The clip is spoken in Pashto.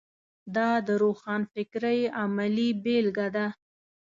دا د روښانفکرۍ عملي بېلګه ده.